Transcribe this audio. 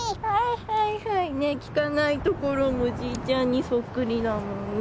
聞かないところもじいちゃんにそっくりだもんね。